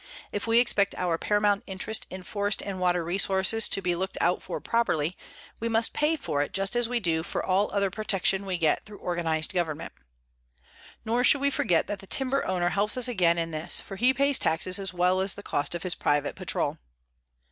If we expect our paramount interest in forest and water resources to be looked out for properly, we must pay for it just as we do for all other protection we get through organized government. Nor should we forget that the timber owner helps us again in this, for he pays taxes as well as the cost of his private patrol.